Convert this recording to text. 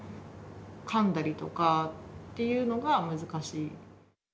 かんだりとかっていうのが難しい。